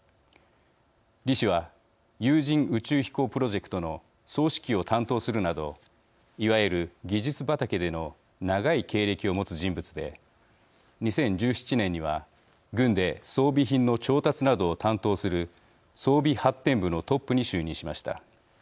李氏は有人宇宙飛行プロジェクトの総指揮を担当するなどいわゆる技術畑での長い経歴を持つ人物で２０１７年には軍で装備品の調達などを担当する装備発展部のトップに就任しました。